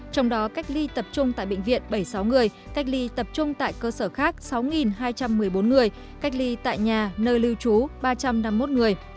trong đó cách ly tập trung tại bệnh viện bảy mươi sáu người cách ly tập trung tại cơ sở khác sáu hai trăm một mươi bốn người cách ly tại nhà nơi lưu trú ba trăm năm mươi một người